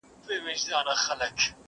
کفن په غاړه ګرځومه قاسم یاره پوه یم،